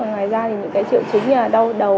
ngoài ra thì những triệu chứng như là đau đầu